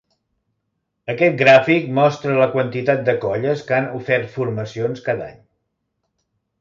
Aquest gràfic mostra la quantitat de colles que han ofert formacions cada any.